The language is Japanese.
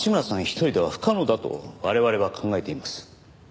一人では不可能だと我々は考えています。